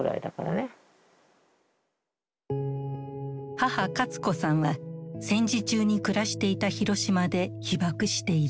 母・加津子さんは戦時中に暮らしていた広島で被ばくしている。